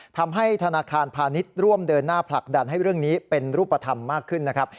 ทำให้ธนาคารพาณิชย์ร่วมเดินหน้าผลักดันให้เรื่องนี้เป็นรูปธรรมมากขึ้นนะครับ